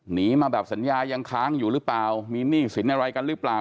หนีมาแบบสัญญายังค้างอยู่หรือเปล่ามีหนี้สินอะไรกันหรือเปล่า